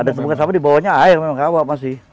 ada tumpukan sampah di bawahnya air memang rawah pasti